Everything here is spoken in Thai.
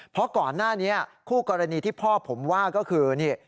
เพราะก่อนหน้านี้คู่กรณีที่พ่อผมว่าก็คือนี่